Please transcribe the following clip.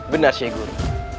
benar syekh guru